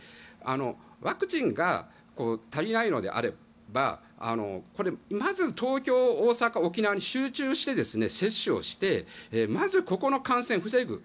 ワクチンが足りないのであればまず東京、大阪、沖縄に集中して接種をしてまずここの感染を防ぐ。